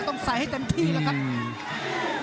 ต้องใส่ให้เต็มที่แล้วครับ